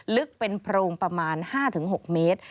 ลึกเป็นโพรงประมาณ๕๖เมตร